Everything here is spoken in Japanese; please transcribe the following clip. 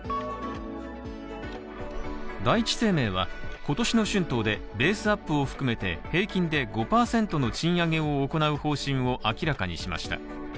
第一生命は、今年の春闘でベースアップを含めて平均で５％の賃上げを行う方針を明らかにしました。